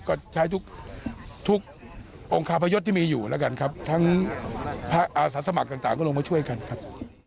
ก็ใช้ทุกองค์คาพยศที่มีอยู่แล้วกันครับทั้งพระอาสาสมัครต่างก็ลงมาช่วยกันครับ